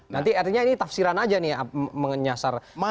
nanti artinya ini tafsiran saja menyasar kelompok keadaan tertentu atau